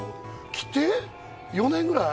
来て４年ぐらい？